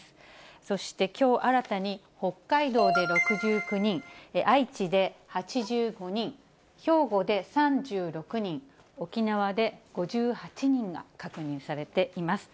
そしてきょう新たに北海道で６９人、愛知で８５人、兵庫で３６人、沖縄で５８人が確認されています。